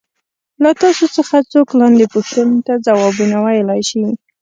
له تاسو څخه څوک لاندې پوښتنو ته ځوابونه ویلای شي.